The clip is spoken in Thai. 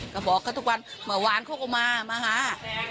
ก็บอกเขาทุกวันเมื่อวานเขาก็มามาหา